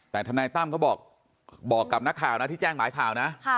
แต่ทนายตั้มเขาบอกกับนักข่าวนะที่แจ้งหมายข่าวนะ